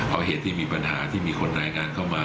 เพราะเหตุที่มีปัญหาที่มีคนรายงานเข้ามา